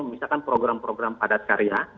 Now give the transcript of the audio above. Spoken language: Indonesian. misalkan program program padat karya